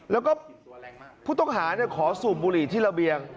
แล้วก็ผู้ต้องหาขอสูบบุหรี่ที่ระเบียง